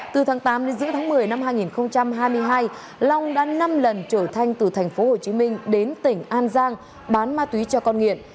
từ tháng tám đến giữa tháng một mươi năm hai nghìn hai mươi hai long đã năm lần trở thanh từ tp hcm đến tỉnh an giang bán ma túy cho con nghiện